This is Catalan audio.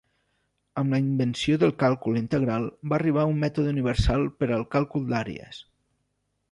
Amb la invenció del càlcul integral va arribar un mètode universal per al càlcul d'àrees.